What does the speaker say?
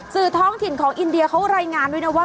สื่อท้องถิ่นของอินเดียเขารายงานด้วยนะว่า